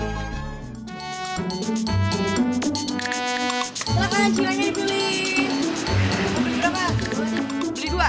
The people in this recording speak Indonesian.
udah sore gitu loh